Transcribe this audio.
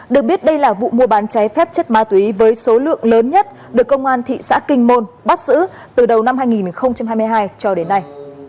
được biết đây là vụ mua bán cháy phép chất ma túy với số lượng lớn nhất được công an thị xã kinh môn bắt giữ từ đầu năm hai nghìn hai mươi hai cho đến nay